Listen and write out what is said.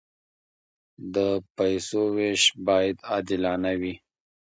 د پیسو وېش باید عادلانه وي.